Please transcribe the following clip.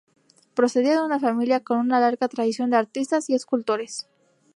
Procedía de una familia con una larga tradición de artistas y escultores.